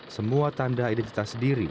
semua tanda identitas diri